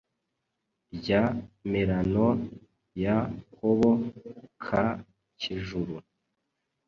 rya Merano ya Kobo ka Kijuru